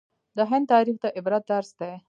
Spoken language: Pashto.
د هند تاریخ د عبرت درس دی.